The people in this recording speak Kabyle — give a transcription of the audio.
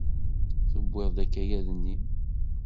Tewwi-d akayad-nni.